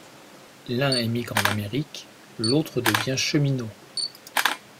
L'un émigre en Amérique, l'autre devient cheminot.